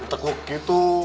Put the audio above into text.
di tekuk gitu